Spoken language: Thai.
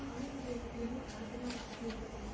อันนี้เป็นยังไง